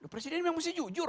presiden memang mesti jujur